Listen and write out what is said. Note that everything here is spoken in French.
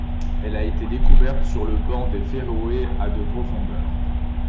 Elle a été découverte sur le banc des Féroé à de profondeur.